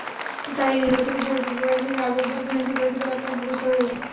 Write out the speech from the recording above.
তার এই নীরবতাকে ঝড়ের পূর্বাভাস ভেবে আবু সুফিয়ান ভিতরে ভিতরে আতংকগ্রস্থ হয়ে ওঠে।